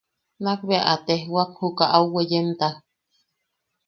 Nak bea a tejwak jukaʼa au weyemta: